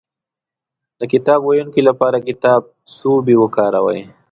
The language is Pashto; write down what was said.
د کتاب ويونکي لپاره کتابڅوبی وکاروئ